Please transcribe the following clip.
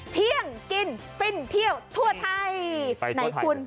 เที่ยงกินฟิร์นเที่ยวทั่วไทย